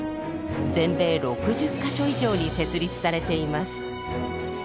全米６０か所以上に設立されています。